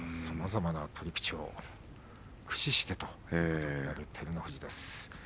さまざまな取り口を駆使してという照ノ富士です。